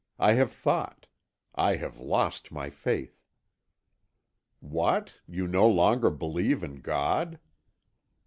I have thought. I have lost my faith." "What? You no longer believe in God?"